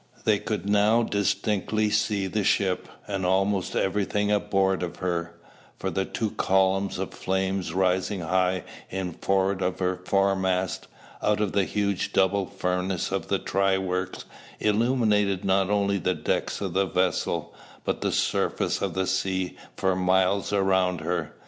They could now distinctly see the ship, and almost everything aboard of her; for the two columns of flame rising high in forward of her foremast, out of the huge double furnace of the "try works," illuminated not only the decks of the vessel, but the surface of the sea for miles around her.